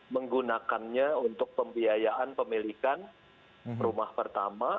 menggunakannya untuk pembiayaan pemilikan rumah pertama